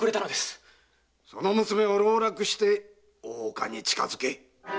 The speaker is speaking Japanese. その娘を籠絡して大岡に近づけ。